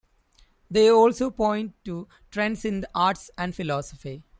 They also point to trends in arts and philosophy.